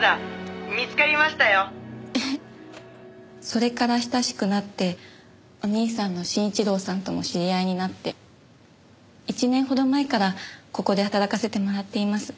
それから親しくなってお兄さんの真一郎さんとも知り合いになって１年ほど前からここで働かせてもらっています。